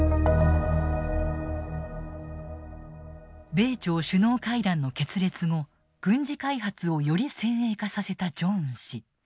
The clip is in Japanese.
米朝首脳会談の決裂後軍事開発をより先鋭化させたジョンウン氏。